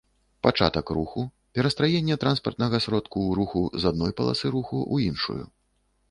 пачатак руху, перастраенне транспартнага сродку ў руху з адной паласы руху ў іншую